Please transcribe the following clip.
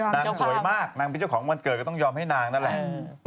นางสวยมากนางเป็นเจ้าของวันเกิดก็ต้องยอมให้นางนั่นแหละ